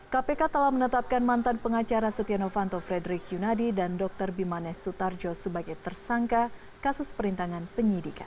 kpk telah menetapkan mantan pengacara setia novanto frederick yunadi dan dr bimanes sutarjo sebagai tersangka kasus perintangan penyidikan